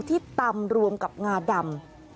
ที่ตำรวมกับงาดำ